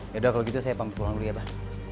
yaudah kalau gitu saya pamit pulang dulu ya abah